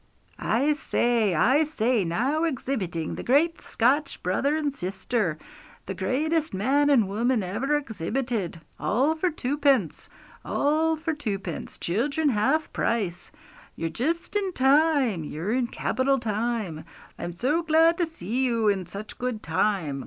'I say, I say! now exhibiting, the great Scotch brother and sister, the greatest man and woman ever exhibited! All for twopence; all for twopence! children half price! You're just in time, you're in capital time; I'm so glad to see you in such good time.